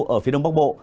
ở phía đông bắc bộ